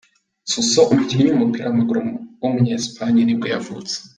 Suso, umukinnyi w’umupira w’amaguru w’umunya Espagne nibwo yavutse.